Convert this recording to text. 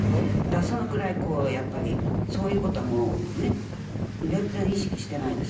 そのくらいこうやっぱりそういう事はもうね全然意識してないです